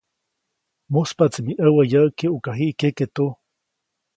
Mujspaʼtsi mi ʼäwä yäʼki ʼuka jiʼ kyeke tu.